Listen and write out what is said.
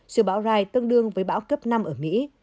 siêu bão rai tương đương với bão cấp năm ở mỹ